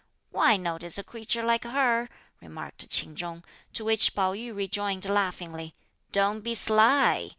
"Why notice a creature like her?" remarked Ch'in Chung; to which Pao yü rejoined laughingly: "Don't be sly!